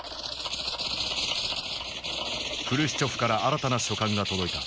フルシチョフから新たな書簡が届いた。